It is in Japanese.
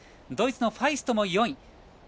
ドイツのファイストも４位。